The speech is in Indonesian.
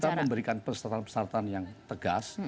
kita memberikan persyaratan persyaratan yang tegas